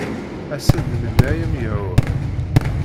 As-d melmi ay am-yehwa.